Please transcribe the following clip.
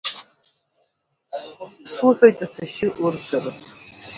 Суҳәоит ацәашьы урцәарцы.